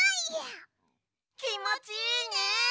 きもちいいね！